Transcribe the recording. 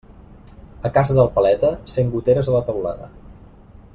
A casa del paleta, cent goteres a la teulada.